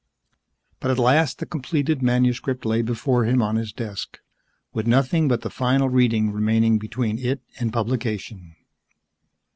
But at last the completed manuscript lay before him on his desk with nothing but the final reading remaining between it and publication.